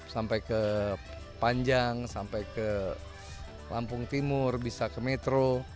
sampai ke panjang sampai ke lampung timur bisa ke metro